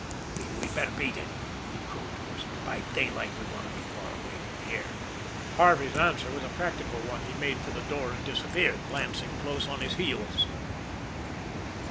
"We'd better beat it," he croaked hoarsely. "By daylight we want to be far away from here." Harvey's answer was a practical one he made for the door and disappeared, Lansing close on his heels.